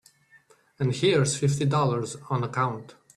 And here's fifty dollars on account.